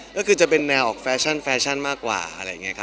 ก็คือจะเป็นแนวแฟชั่นมากกว่า